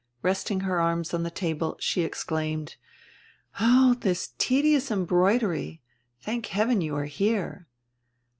Resting her arms on die table, she exclaimed: "Oh, this tedious embroidery! Thank heaven, you are here."